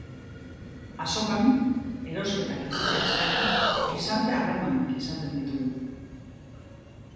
Azokan, erosketak egiteaz gain, gizarte harremanak izaten ditugu.